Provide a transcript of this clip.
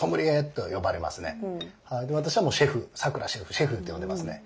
私はシェフさくらシェフシェフって呼んでますね。